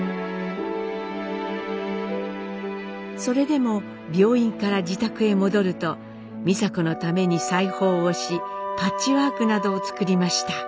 それでも病院から自宅へ戻ると美佐子のために裁縫をしパッチワークなどを作りました。